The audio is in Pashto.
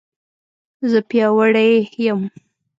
زه پیاوړې یم